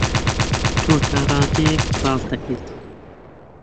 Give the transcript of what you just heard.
تۆ تا ڕادەیەک ڕاست دەکەیت.